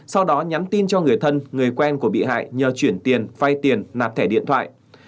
sau đó nhắn tin cho người thân người quen của bị hại nhờ chuyển tiền vay tiền nạp thẻ điện thoại